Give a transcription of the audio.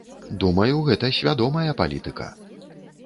Думаю, гэта свядомая палітыка.